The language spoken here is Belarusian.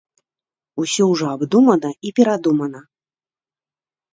Усё ўжо абдумана і перадумана.